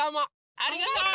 ありがとう！